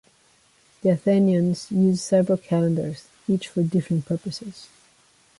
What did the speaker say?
The Athenians used several calendars, each for different purposes.